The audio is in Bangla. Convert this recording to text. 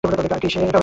তবে কার দোষ?